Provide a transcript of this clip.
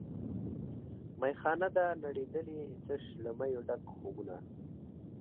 میخانه ده نړېدلې تش له میو ډک خُمونه